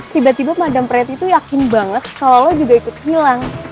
tiba tiba madam preti yakin banget kalau lo juga ikut hilang